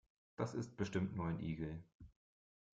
Das ist bestimmt nur ein Igel.